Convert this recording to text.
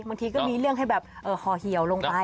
บางทีก็มีเรื่องให้แบบห่อเหี่ยวลงไป